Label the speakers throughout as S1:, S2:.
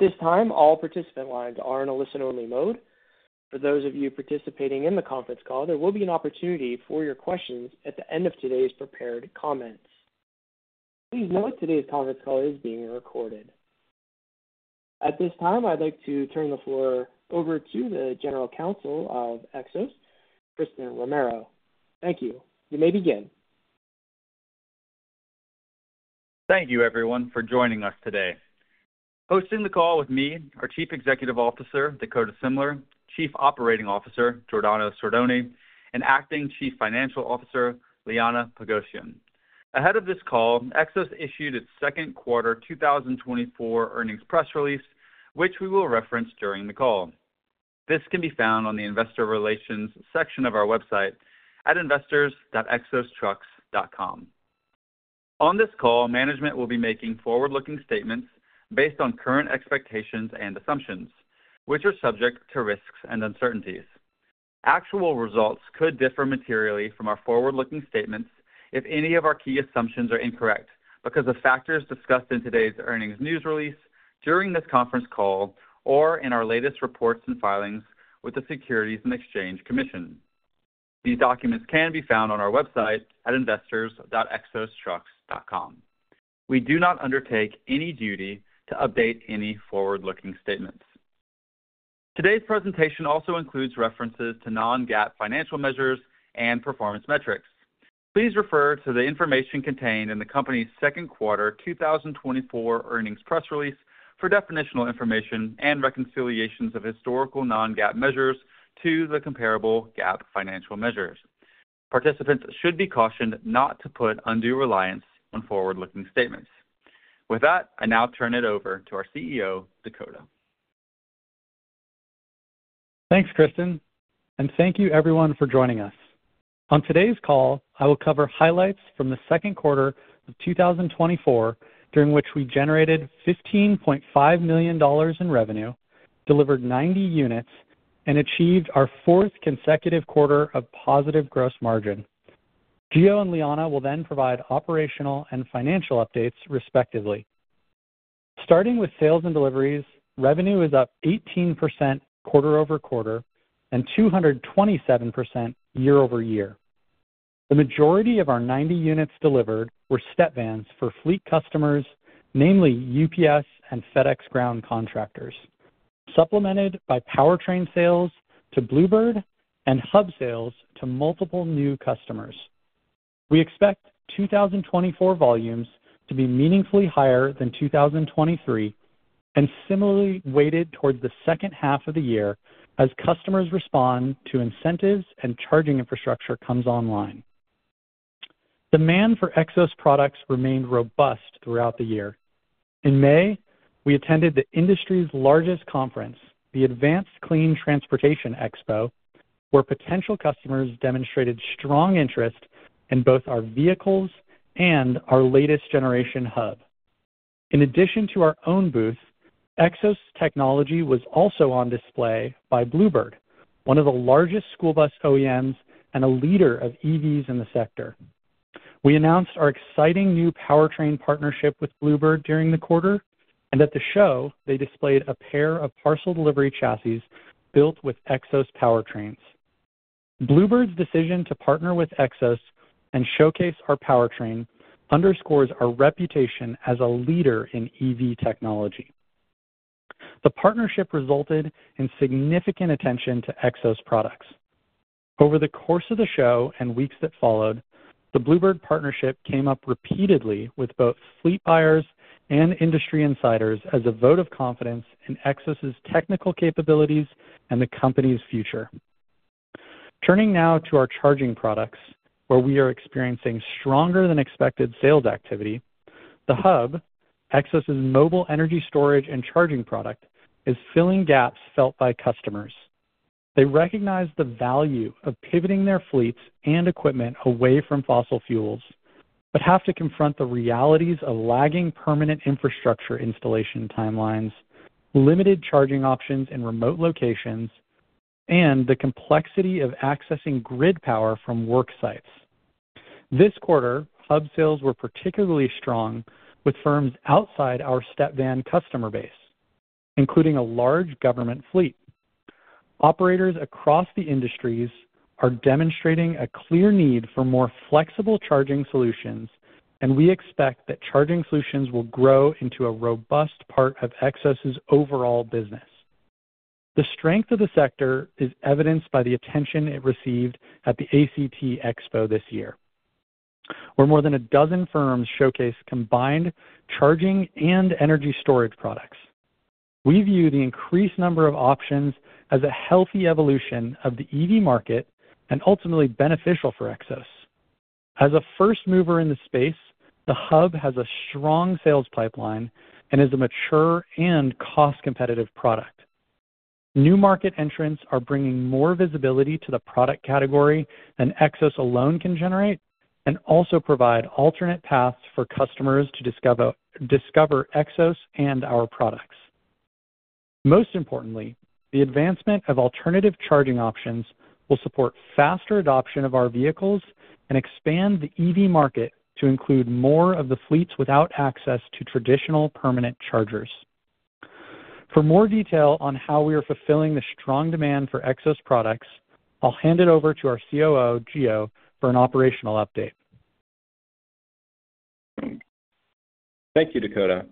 S1: At this time, all participant lines are in a listen-only mode. For those of you participating in the conference call, there will be an opportunity for your questions at the end of today's prepared comments. Please note today's conference call is being recorded. At this time, I'd like to turn the floor over to the General Counsel of Xos, Christen Romero. Thank you. You may begin.
S2: Thank you, everyone, for joining us today. Hosting the call with me, our Chief Executive Officer, Dakota Semler, Chief Operating Officer, Giordano Sordoni, and Acting Chief Financial Officer, Liana Pogosyan. Ahead of this call, Xos issued its Second Quarter 2024 Earnings Press Release, which we will reference during the call. This can be found on the investor relations section of our website at investors.xostrucks.com. On this call, management will be making forward-looking statements based on current expectations and assumptions, which are subject to risks and uncertainties. Actual results could differ materially from our forward-looking statements if any of our key assumptions are incorrect, because of factors discussed in today's earnings news release, during this conference call, or in our latest reports and filings with the Securities and Exchange Commission. These documents can be found on our website at investors.xostrucks.com. We do not undertake any duty to update any forward-looking statements. Today's presentation also includes references to non-GAAP financial measures and performance metrics. Please refer to the information contained in the company's Second Quarter 2024 Earnings Press Release for definitional information and reconciliations of historical non-GAAP measures to the comparable GAAP financial measures. Participants should be cautioned not to put undue reliance on forward-looking statements. With that, I now turn it over to our CEO, Dakota.
S3: Thanks, Christen, and thank you everyone for joining us. On today's call, I will cover highlights from the Second Quarter of 2024, during which we generated $15.5 million in revenue, delivered 90 units, and achieved our fourth consecutive quarter of positive gross margin. Gio and Liana will then provide operational and financial updates, respectively. Starting with sales and deliveries, revenue is up 18% quarter-over-quarter and 227% year-over-year. The majority of our 90 units delivered were step vans for fleet customers, namely UPS and FedEx Ground contractors, supplemented by powertrain sales to Blue Bird and Hub sales to multiple new customers. We expect 2024 volumes to be meaningfully higher than 2023 and similarly weighted towards the second half of the year as customers respond to incentives and charging infrastructure comes online. Demand for Xos products remained robust throughout the year. In May, we attended the industry's largest conference, the Advanced Clean Transportation Expo, where potential customers demonstrated strong interest in both our vehicles and our latest generation Hub. In addition to our own booth, Xos technology was also on display by Blue Bird, one of the largest school bus OEMs and a leader of EVs in the sector. We announced our exciting new powertrain partnership with Blue Bird during the quarter, and at the show, they displayed a pair of parcel delivery chassis built with Xos powertrains. Blue Bird's decision to partner with Xos and showcase our powertrain underscores our reputation as a leader in EV technology. The partnership resulted in significant attention to Xos products. Over the course of the show and weeks that followed, the Blue Bird partnership came up repeatedly with both fleet buyers and industry insiders as a vote of confidence in Xos' technical capabilities and the company's future. Turning now to our charging products, where we are experiencing stronger than expected sales activity, the Hub, Xos' mobile energy storage and charging product, is filling gaps felt by customers. They recognize the value of pivoting their fleets and equipment away from fossil fuels, but have to confront the realities of lagging permanent infrastructure installation timelines, limited charging options in remote locations, and the complexity of accessing grid power from work sites. This quarter, Hub sales were particularly strong with firms outside our Step Van customer base, including a large government fleet. Operators across the industries are demonstrating a clear need for more flexible charging solutions, and we expect that charging solutions will grow into a robust part of Xos' overall business. The strength of the sector is evidenced by the attention it received at the ACT Expo this year, where more than a dozen firms showcased combined charging and energy storage products. We view the increased number of options as a healthy evolution of the EV market and ultimately beneficial for Xos. As a first mover in the space, the Hub has a strong sales pipeline and is a mature and cost-competitive product. New market entrants are bringing more visibility to the product category than Xos alone can generate and also provide alternate paths for customers to discover Xos and our products. Most importantly, the advancement of alternative charging options will support faster adoption of our vehicles and expand the EV market to include more of the fleets without access to traditional permanent chargers. For more detail on how we are fulfilling the strong demand for Xos products, I'll hand it over to our COO, Gio, for an operational update.
S4: Thank you, Dakota.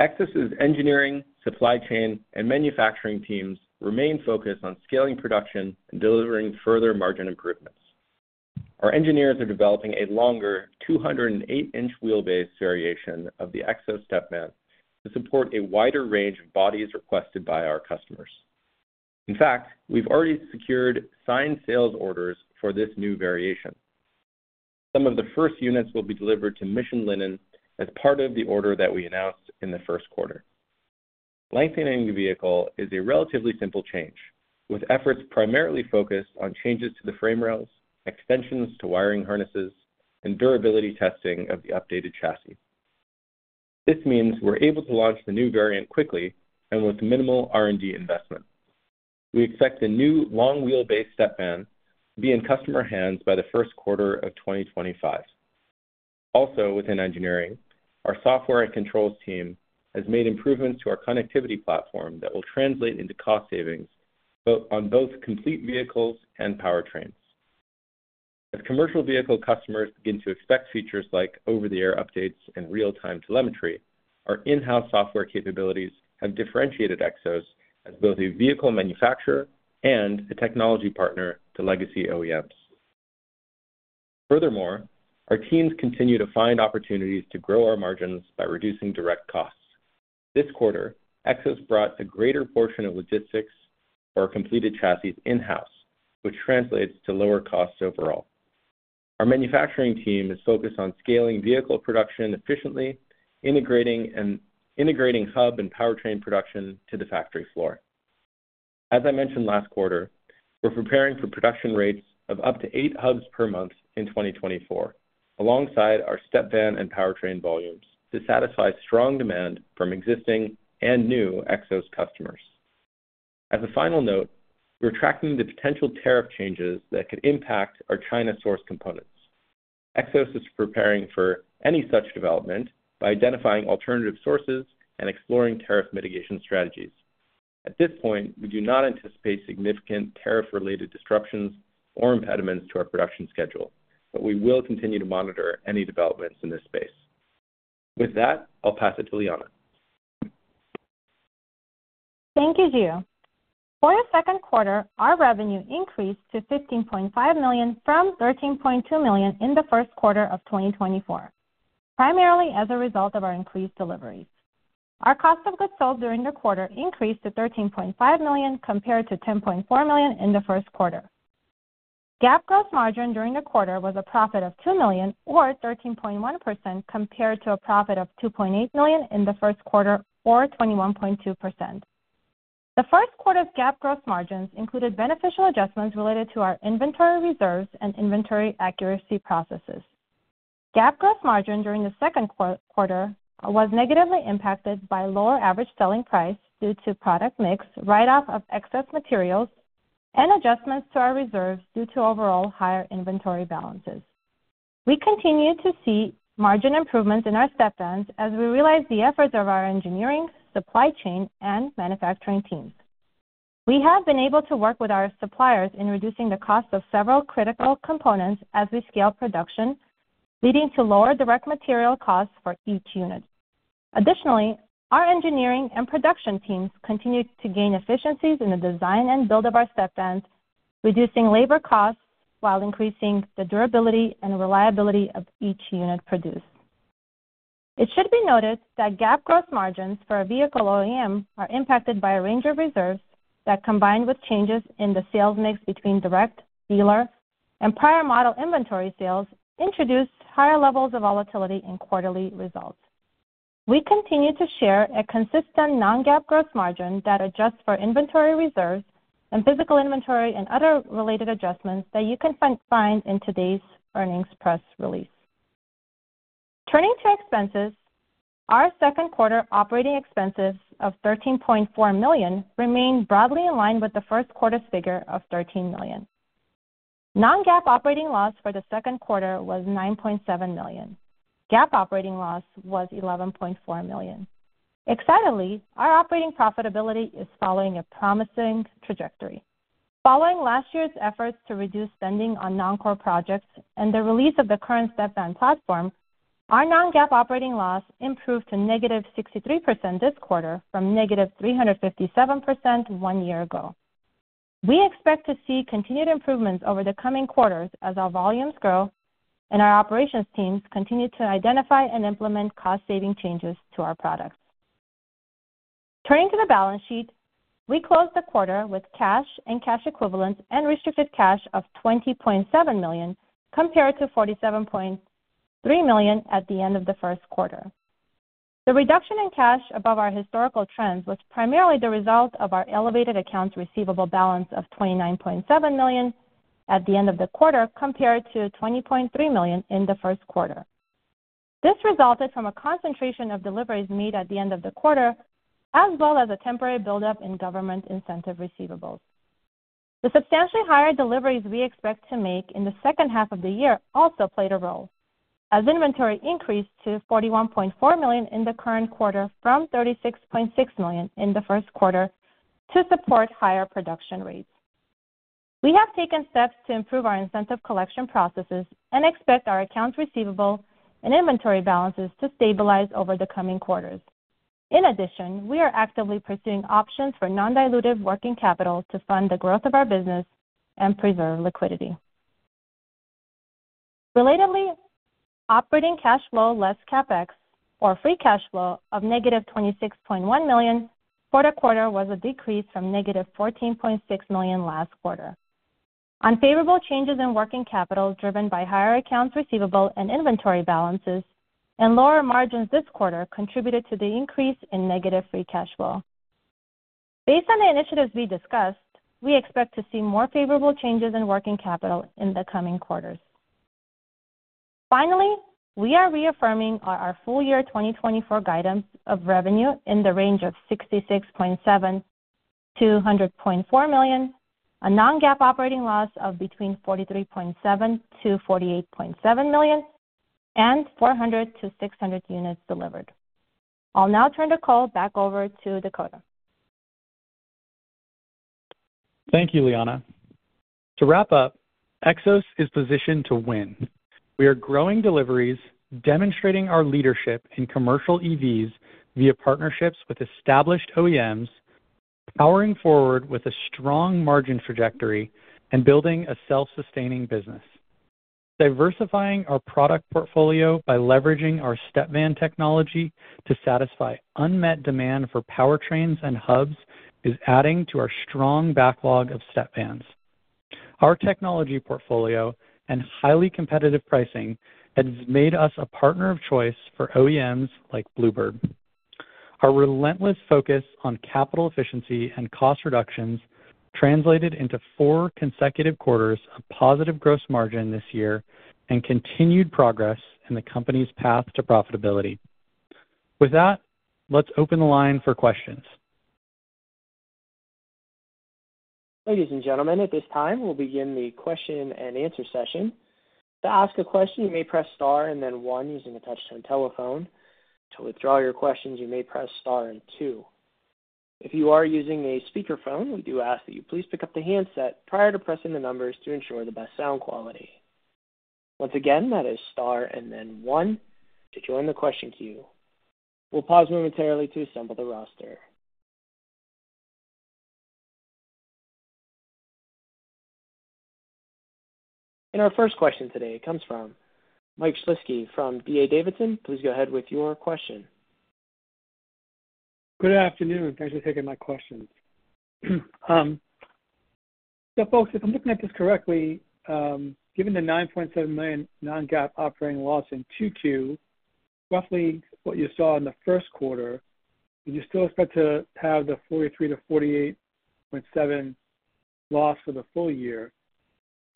S4: Xos' engineering, supply chain, and manufacturing teams remain focused on scaling production and delivering further margin improvements. Our engineers are developing a longer 208-inch wheelbase variation of the Xos Step Van to support a wider range of bodies requested by our customers. In fact, we've already secured signed sales orders for this new variation. Some of the first units will be delivered to Mission Linen as part of the order that we announced in the first quarter. Lengthening the vehicle is a relatively simple change, with efforts primarily focused on changes to the frame rails, extensions to wiring harnesses, and durability testing of the updated chassis. This means we're able to launch the new variant quickly and with minimal R&D investment. We expect the new long-wheelbase Step Van to be in customer hands by the first quarter of 2025. Also, within engineering, our software and controls team has made improvements to our connectivity platform that will translate into cost savings, both on complete vehicles and powertrains. As commercial vehicle customers begin to expect features like over-the-air updates and real-time telemetry, our in-house software capabilities have differentiated Xos as both a vehicle manufacturer and a technology partner to legacy OEMs. Furthermore, our teams continue to find opportunities to grow our margins by reducing direct costs. This quarter, Xos brought a greater portion of logistics for our completed chassis in-house, which translates to lower costs overall. Our manufacturing team is focused on scaling vehicle production efficiently, integrating Hub and powertrain production to the factory floor. As I mentioned last quarter, we're preparing for production rates of up to eight Hubs per month in 2024, alongside our Step Van and powertrain volumes, to satisfy strong demand from existing and new Xos customers. As a final note, we're tracking the potential tariff changes that could impact our China-sourced components. Xos is preparing for any such development by identifying alternative sources and exploring tariff mitigation strategies. At this point, we do not anticipate significant tariff-related disruptions or impediments to our production schedule, but we will continue to monitor any developments in this space. With that, I'll pass it to Liana.
S5: Thank you, Gio. For the second quarter, our revenue increased to $15.5 million from $13.2 million in the first quarter of 2024, primarily as a result of our increased deliveries. Our cost of goods sold during the quarter increased to $13.5 million, compared to $10.4 million in the first quarter. GAAP gross margin during the quarter was a profit of $2 million, or 13.1%, compared to a profit of $2.8 million in the first quarter, or 21.2%. The first quarter's GAAP gross margins included beneficial adjustments related to our inventory reserves and inventory accuracy processes. GAAP gross margin during the second quarter was negatively impacted by lower average selling price due to product mix, write-off of excess materials, and adjustments to our reserves due to overall higher inventory balances. We continue to see margin improvements in our Step Vans as we realize the efforts of our engineering, supply chain, and manufacturing teams. We have been able to work with our suppliers in reducing the cost of several critical components as we scale production, leading to lower direct material costs for each unit. Additionally, our engineering and production teams continued to gain efficiencies in the design and build of our Step Vans, reducing labor costs while increasing the durability and reliability of each unit produced. It should be noted that GAAP gross margins for a vehicle OEM are impacted by a range of reserves that, combined with changes in the sales mix between direct, dealer, and prior model inventory sales, introduced higher levels of volatility in quarterly results. We continue to share a consistent non-GAAP gross margin that adjusts for inventory reserves and physical inventory and other related adjustments that you can find in today's earnings press release. Turning to expenses, our second quarter operating expenses of $13.4 million remained broadly in line with the first quarter's figure of $13 million. Non-GAAP operating loss for the second quarter was $9.7 million. GAAP operating loss was $11.4 million. Excitedly, our operating profitability is following a promising trajectory. Following last year's efforts to reduce spending on non-core projects and the release of the current Step Van platform, our non-GAAP operating loss improved to -63% this quarter from -357% one year ago. We expect to see continued improvements over the coming quarters as our volumes grow and our operations teams continue to identify and implement cost-saving changes to our products. Turning to the balance sheet, we closed the quarter with cash and cash equivalents and restricted cash of $20.7 million, compared to $47.3 million at the end of the first quarter. The reduction in cash above our historical trends was primarily the result of our elevated accounts receivable balance of $29.7 million at the end of the quarter, compared to $20.3 million in the first quarter. This resulted from a concentration of deliveries made at the end of the quarter, as well as a temporary buildup in government incentive receivables. The substantially higher deliveries we expect to make in the second half of the year also played a role, as inventory increased to $41.4 million in the current quarter from $36.6 million in the first quarter to support higher production rates. We have taken steps to improve our incentive collection processes and expect our accounts receivable and inventory balances to stabilize over the coming quarters. In addition, we are actively pursuing options for non-dilutive working capital to fund the growth of our business and preserve liquidity. Relatedly, operating cash flow less CapEx, or free cash flow, of negative $26.1 million quarter-over-quarter, was a decrease from negative $14.6 million last quarter. Unfavorable changes in working capital, driven by higher accounts receivable and inventory balances and lower margins this quarter, contributed to the increase in negative free cash flow. Based on the initiatives we discussed, we expect to see more favorable changes in working capital in the coming quarters. Finally, we are reaffirming our full year 2024 guidance of revenue in the range of $66.7 million-$100.4 million, a non-GAAP operating loss between $43.7 million-$48.7 million, and 400-600 units delivered. I'll now turn the call back over to Dakota.
S3: Thank you, Liana. To wrap up, Xos is positioned to win. We are growing deliveries, demonstrating our leadership in commercial EVs via partnerships with established OEMs, powering forward with a strong margin trajectory and building a self-sustaining business. Diversifying our product portfolio by leveraging our step van technology to satisfy unmet demand for powertrains and Hubs is adding to our strong backlog of step vans. Our technology portfolio and highly competitive pricing has made us a partner of choice for OEMs like Blue Bird. Our relentless focus on capital efficiency and cost reductions translated into four consecutive quarters of positive gross margin this year and continued progress in the company's path to profitability. With that, let's open the line for questions.
S1: Ladies and gentlemen, at this time, we'll begin the question and answer session. To ask a question, you may press Star and then One using a touchtone telephone. To withdraw your questions, you may press Star and Two. If you are using a speakerphone, we do ask that you please pick up the handset prior to pressing the numbers to ensure the best sound quality. Once again, that is Star and then One to join the question queue. We'll pause momentarily to assemble the roster. Our first question today comes from Mike Shlisky from D.A. Davidson. Please go ahead with your question.
S6: Good afternoon. Thanks for taking my questions. So folks, if I'm looking at this correctly, given the $9.7 million non-GAAP operating loss in Q2, roughly what you saw in the first quarter, do you still expect to have the $43 million-$48.7 million loss for the full year?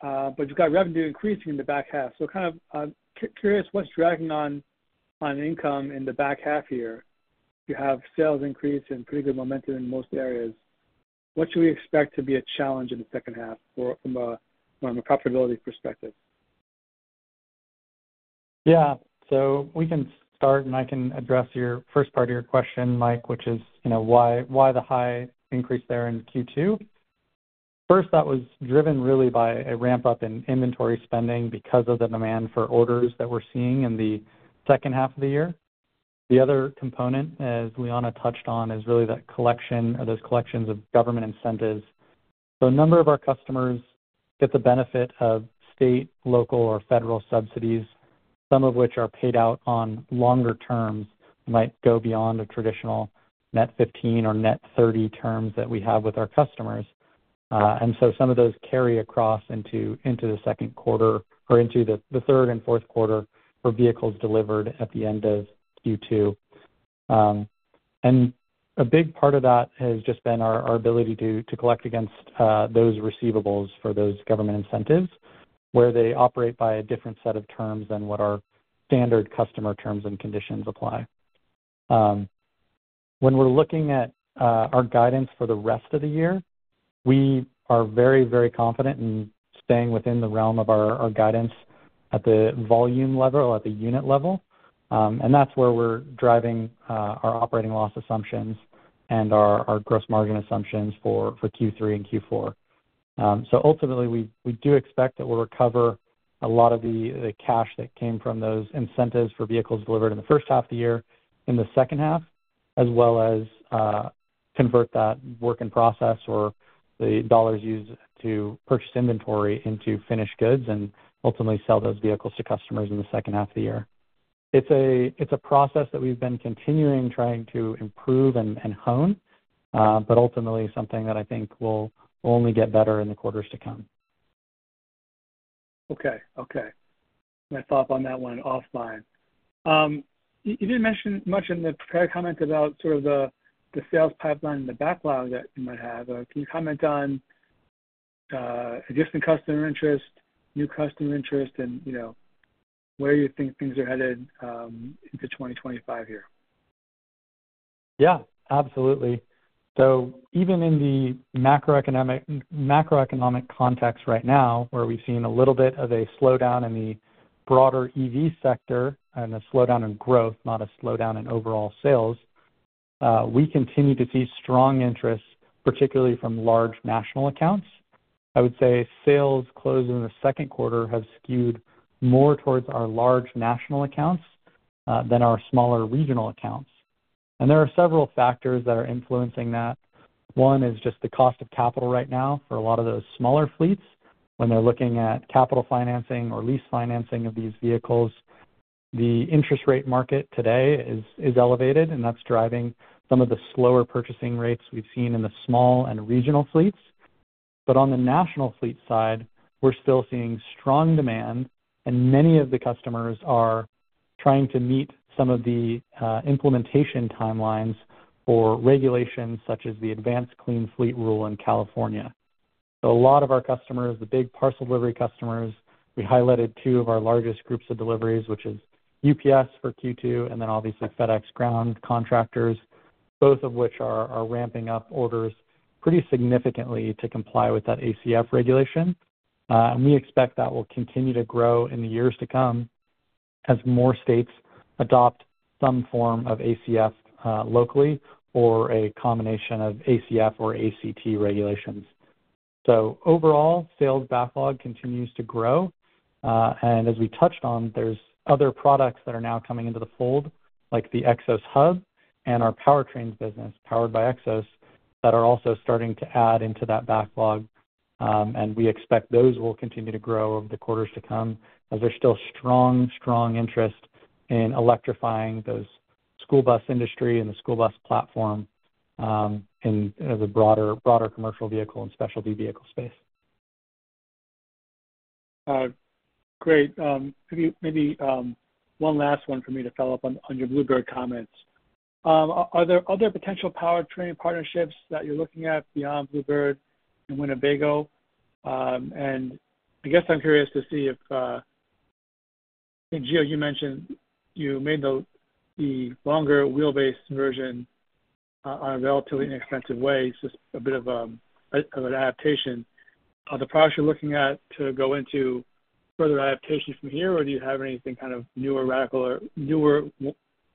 S6: But you've got revenue increasing in the back half. So kind of curious what's dragging on income in the back half year. You have sales increase and pretty good momentum in most areas. What should we expect to be a challenge in the second half or from a profitability perspective?
S3: Yeah. So we can start, and I can address your first part of your question, Mike, which is, you know, why, why the high increase there in Q2? First, that was driven really by a ramp up in inventory spending because of the demand for orders that we're seeing in the second half of the year. The other component, as Liana touched on, is really that collection or those collections of government incentives. So a number of our customers get the benefit of state, local, or federal subsidies, some of which are paid out on longer terms, might go beyond the traditional net fifteen or net thirty terms that we have with our customers. And so some of those carry across into the second quarter or into the third and fourth quarter for vehicles delivered at the end of Q2. A big part of that has just been our, our ability to, to collect against those receivables for those government incentives, where they operate by a different set of terms than what our standard customer terms and conditions apply. When we're looking at our guidance for the rest of the year, we are very, very confident in staying within the realm of our, our guidance at the volume level or at the unit level. And that's where we're driving our operating loss assumptions and our, our gross margin assumptions for Q3 and Q4. So ultimately, we do expect that we'll recover a lot of the cash that came from those incentives for vehicles delivered in the first half of the year, in the second half, as well as convert that work in process or the dollars used to purchase inventory into finished goods and ultimately sell those vehicles to customers in the second half of the year. It's a process that we've been continuing trying to improve and hone, but ultimately something that I think will only get better in the quarters to come.
S6: Okay. Okay. I thought on that one offline. You, you didn't mention much in the prepared comment about sort of the, the sales pipeline and the backlog that you might have. Can you comment on existing customer interest, new customer interest, and, you know, where you think things are headed into 2025 here?
S3: Yeah, absolutely. So even in the macroeconomic, macroeconomic context right now, where we've seen a little bit of a slowdown in the broader EV sector and a slowdown in growth, not a slowdown in overall sales, we continue to see strong interest, particularly from large national accounts. I would say sales closed in the second quarter have skewed more towards our large national accounts than our smaller regional accounts. And there are several factors that are influencing that. One is just the cost of capital right now for a lot of those smaller fleets, when they're looking at capital financing or lease financing of these vehicles, the interest rate market today is, is elevated, and that's driving some of the slower purchasing rates we've seen in the small and regional fleets. But on the national fleet side, we're still seeing strong demand, and many of the customers are trying to meet some of the, implementation timelines for regulations such as the Advanced Clean Fleets rule in California. So a lot of our customers, the big parcel delivery customers, we highlighted two of our largest groups of deliveries, which is UPS for Q2, and then obviously FedEx Ground contractors, both of which are ramping up orders pretty significantly to comply with that ACF regulation. And we expect that will continue to grow in the years to come as more states adopt some form of ACF, locally, or a combination of ACF or ACT regulations. So overall, sales backlog continues to grow. As we touched on, there's other products that are now coming into the fold, like the Xos Hub and our powertrains business, Powered by Xos, that are also starting to add into that backlog. We expect those will continue to grow over the quarters to come, as there's still strong, strong interest in electrifying those school bus industry and the school bus platform, and as a broader, broader commercial vehicle and specialty vehicle space.
S6: Great. Maybe, maybe, one last one for me to follow up on, on your Blue Bird comments. Are there other potential powertrain partnerships that you're looking at beyond Blue Bird and Winnebago? And I guess I'm curious to see if, and Gio, you mentioned you made the, the longer wheelbase version on a relatively inexpensive way, just a bit of, of an adaptation. Are the products you're looking at to go into further adaptation from here, or do you have anything kind of new or radical or newer,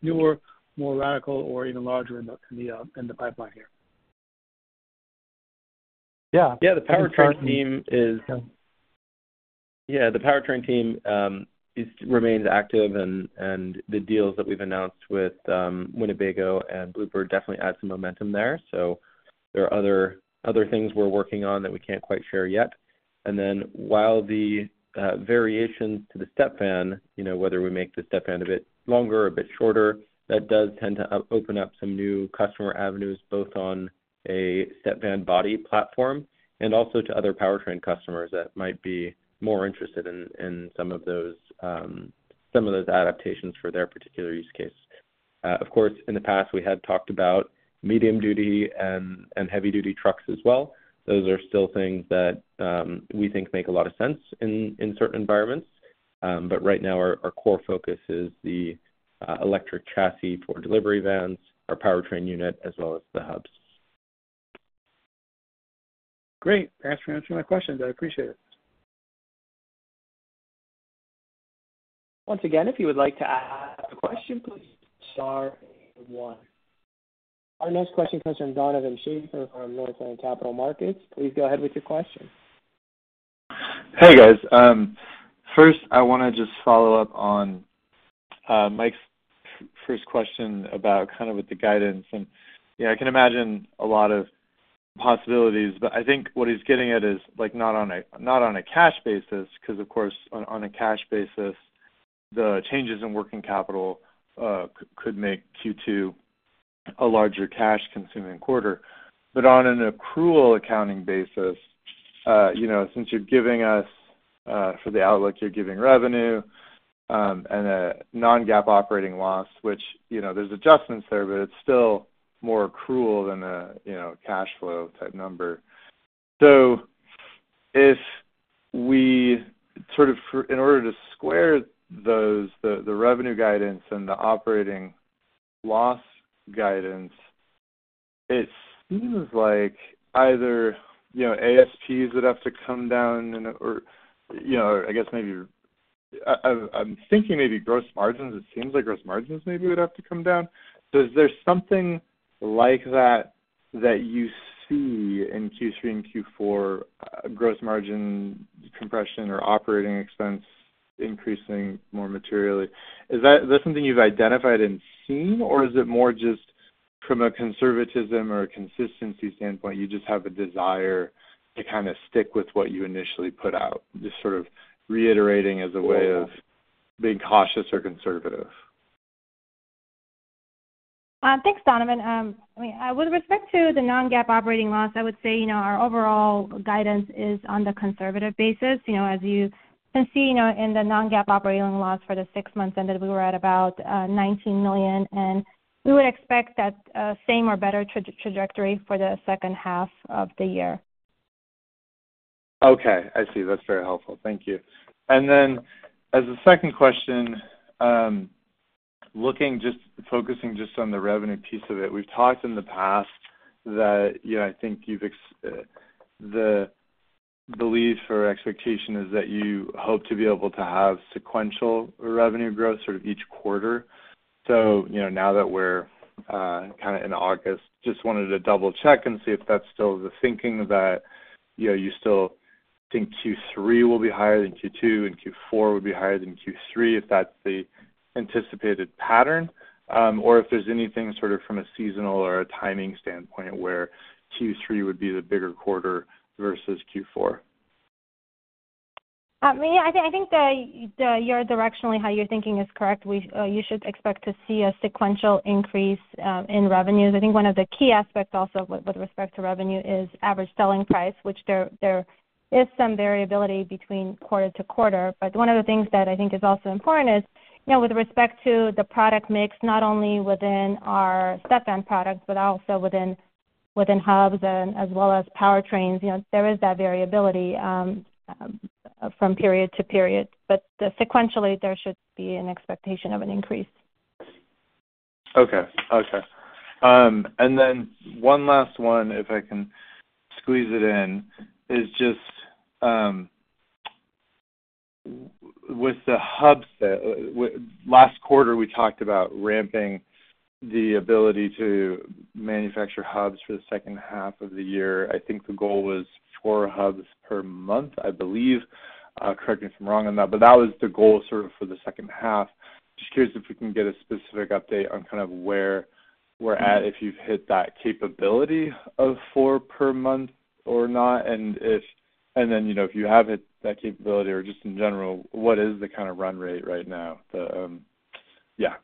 S6: newer, more radical or even larger in the, in the, in the pipeline here?
S4: Yeah, the powertrain team remains active, and the deals that we've announced with Winnebago and Blue Bird definitely add some momentum there. So there are other things we're working on that we can't quite share yet. And then, while the variations to the step van, you know, whether we make the step van a bit longer or a bit shorter, that does tend to open up some new customer avenues, both on a step van body platform and also to other powertrain customers that might be more interested in some of those adaptations for their particular use case. Of course, in the past, we had talked about medium-duty and heavy-duty trucks as well. Those are still things that we think make a lot of sense in certain environments. Right now, our core focus is the electric chassis for delivery vans, our powertrain unit, as well as the Hubs.
S6: Great. Thanks for answering my questions. I appreciate it.
S1: Once again, if you would like to ask a question, please star one. Our next question comes from Donovan Schafer from Northland Capital Markets. Please go ahead with your question.
S7: Hey, guys. First, I wanna just follow up on Mike's first question about kind of with the guidance. And, yeah, I can imagine a lot of possibilities, but I think what he's getting at is, like, not on a, not on a cash basis, 'cause, of course, on a cash basis, the changes in working capital could make Q2 a larger cash-consuming quarter. But on an accrual accounting basis, you know, since you're giving us for the outlook, you're giving revenue and a non-GAAP operating loss, which, you know, there's adjustments there, but it's still more accrual than a, you know, cash flow type number. So if we sort of in order to square those, the revenue guidance and the operating loss guidance, it seems like either, you know, ASPs would have to come down and/or, you know, I guess maybe, I'm thinking maybe gross margins, it seems like gross margins maybe would have to come down. So is there something like that, that you see in Q3 and Q4, gross margin compression or operating expense increasing more materially? Is that— Is that something you've identified and seen, or is it more just from a conservatism or consistency standpoint, you just have a desire to kind of stick with what you initially put out, just sort of reiterating as a way of being cautious or conservative?
S5: Thanks, Donovan. I mean, with respect to the non-GAAP operating loss, I would say, you know, our overall guidance is on the conservative basis. You know, as you can see, you know, in the non-GAAP operating loss for the six months ended, we were at about $19 million, and we would expect that same or better trajectory for the second half of the year....
S7: Okay, I see. That's very helpful. Thank you. And then as a second question, looking, just focusing just on the revenue piece of it, we've talked in the past that, you know, I think you've the belief or expectation is that you hope to be able to have sequential revenue growth sort of each quarter. So, you know, now that we're kind of in August, just wanted to double check and see if that's still the thinking that, you know, you still think Q3 will be higher than Q2, and Q4 will be higher than Q3, if that's the anticipated pattern. Or if there's anything sort of from a seasonal or a timing standpoint where Q3 would be the bigger quarter versus Q4.
S5: I think directionally, how you're thinking is correct. You should expect to see a sequential increase in revenues. I think one of the key aspects also with respect to revenue is average selling price, which there is some variability between quarter to quarter. But one of the things that I think is also important is, you know, with respect to the product mix, not only within our StepVan products, but also within Hubs and as well as powertrains, you know, there is that variability from period to period. But sequentially, there should be an expectation of an increase.
S7: Okay. Okay. And then one last one, if I can squeeze it in, is just with the Hub set, last quarter, we talked about ramping the ability to manufacture Hubs for the second half of the year. I think the goal was 4 Hubs per month, I believe, correct me if I'm wrong on that, but that was the goal sort of for the second half. Just curious if we can get a specific update on kind of where we're at, if you've hit that capability of 4 per month or not, and if... And then, you know, if you have it, that capability, or just in general, what is the kind of run rate right now? The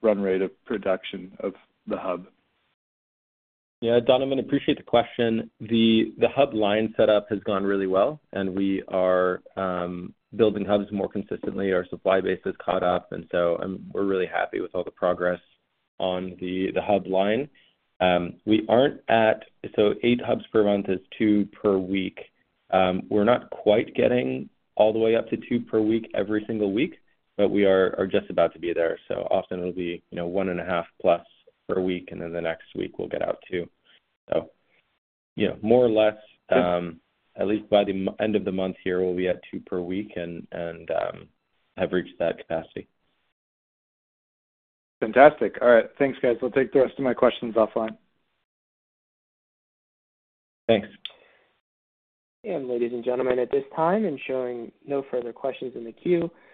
S7: run rate of production of the Hub.
S4: Yeah, Donovan, appreciate the question. The Hub line set up has gone really well, and we are building Hubs more consistently. Our supply base has caught up, and so we're really happy with all the progress on the Hub line. We aren't at—so 8 Hubs per month is 2 per week. We're not quite getting all the way up to 2 per week, every single week, but we are just about to be there. So often it'll be, you know, 1.5+ per week, and then the next week we'll get out 2. So, you know, more or less, at least by the end of the month here, we'll be at 2 per week and have reached that capacity.
S7: Fantastic. All right. Thanks, guys. I'll take the rest of my questions offline.
S4: Thanks.
S1: Ladies and gentlemen, at this time, showing no further questions in the queue.